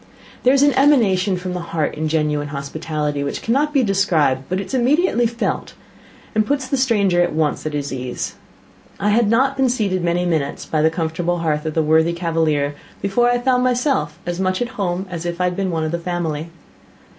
There is an emanation from the heart in genuine hospitality which cannot be described, but is immediately felt, and puts the stranger at once at his ease. I had not been seated many minutes by the comfortable hearth of the worthy cavalier before I found myself as much at home as if I had been one of the family.